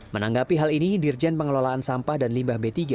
menanggapi hal ini dirjen pengelolaan sampah dan limbah b tiga